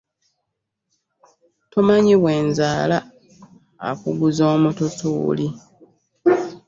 Tomanyi bwe nzaala akuguza omututuuli .